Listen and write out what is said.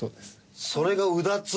それがうだつ？